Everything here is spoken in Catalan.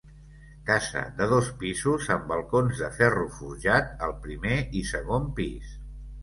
Casa de dos pisos amb balcons de ferro forjat al primer i segon pis.